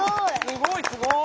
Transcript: すごいすごい。